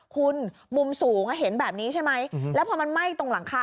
คุณมุมสูงเห็นแบบนี้ใช่ไหมแล้วพอมันไหม้ตรงหลังคา